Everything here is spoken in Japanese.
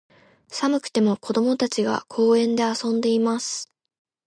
寒くても、子供たちが、公園で遊んでいます。